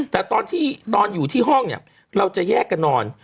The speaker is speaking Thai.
แต่ตอนที่อยู่ที่ห้องเนี่ยเราจะแยกกันนอน